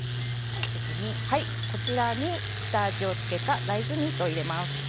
こちらに下味を付けた大豆ミートを入れます。